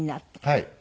はい。